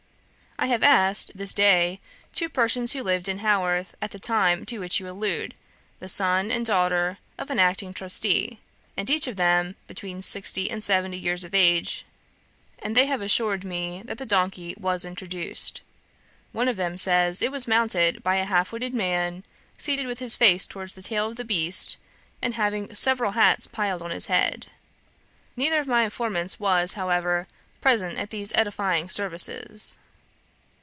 "I have asked, this day, two persons who lived in Haworth at the time to which you allude, the son and daughter of an acting trustee, and each of them between sixty and seventy years of age, and they assure me that the donkey was introduced. One of them says it was mounted by a half witted man, seated with his face towards the tail of the beast, and having several hats piled on his head. Neither of my informants was, however, present at these edifying services.